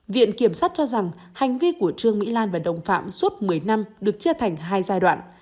viện kiểm sát cho rằng hành vi của trương mỹ lan và đồng phạm suốt một mươi năm được chia thành hai giai đoạn